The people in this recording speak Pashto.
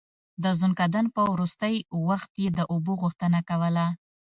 د ځنکدن په وروستی وخت يې د اوبو غوښتنه کوله.